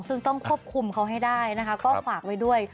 ซึ่งต้องควบคุมเขาให้ได้นะคะก็ฝากไว้ด้วย